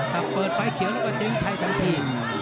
ถ้าเปิดไฟเขียวถึงก็เจ๊งชายทางภีร์